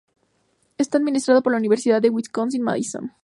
Está administrado por la Universidad de Wisconsin-Madison.